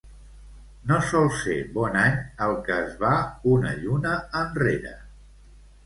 No sol ser bon any el que es va una lluna enrere.